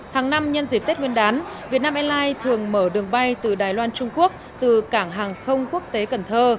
hàng năm nhân dịp tết nguyên đán vietnam airlines thường mở đường bay từ đài loan trung quốc từ cảng hàng không quốc tế cần thơ